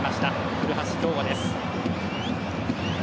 古橋亨梧です。